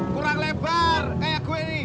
kurang lebar kayak gue ini